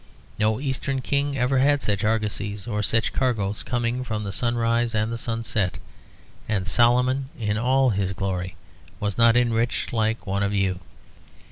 No Eastern king ever had such argosies or such cargoes coming from the sunrise and the sunset, and Solomon in all his glory was not enriched like one of you.